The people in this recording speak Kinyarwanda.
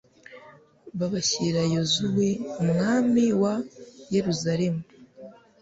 babashyira yozuwe: umwami wa yeruzalemu